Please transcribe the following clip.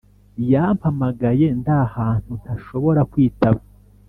yampamagaye ndahantu ntashobora kwitaba